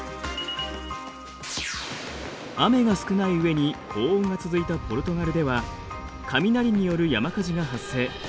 雨が少ない上に高温が続いたポルトガルでは雷による山火事が発生。